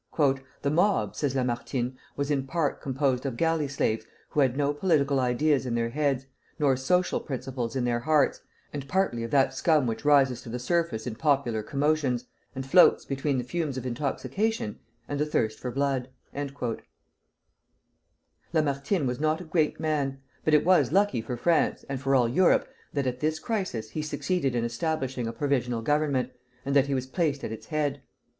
"The mob," says Lamartine, "was in part composed of galley slaves who had no political ideas in their heads, nor social principles in their hearts, and partly of that scum which rises to the surface in popular commotions, and floats between the fumes of intoxication and the thirst for blood." Lamartine was not a great man, but it was lucky for France, and for all Europe, that at this crisis he succeeded in establishing a provisional government, and that he was placed at its head.